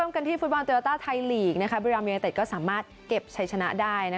แกนที่ฟูตบอลไทยบีรีโรอามียุเอะเต็ดสามารถเก็บชัยชนะได้